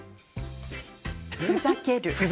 ふざける。